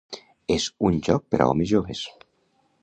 És un joc per a homes joves.